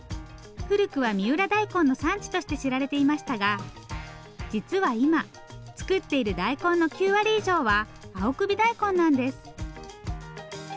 古くは三浦大根の産地として知られていましたが実は今作っている大根の９割以上は青首大根なんです。